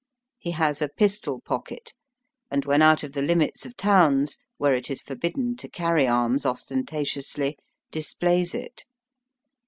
He has a pistol pocket, and when out of the limits of towns where it is for bidden to carry arms ostentatiously displays it.